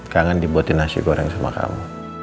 jangan dibuatin nasi goreng sama kamu